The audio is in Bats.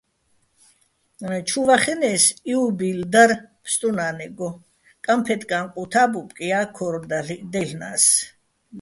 ჩუ ვახენე́ს, იუბილ დარ ბსტუნა́ნეგო, კამფეტკა́ჼ ყუთა́ ბუბკია́ ქორ დაჲლ'ნა́ს.